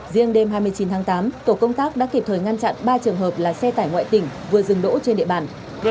riêng đêm hai mươi chín tháng tám tổ công tác đã kịp thời ngăn chặn ba trường hợp là xe tải ngoại tỉnh vừa dừng đỗ trên địa bàn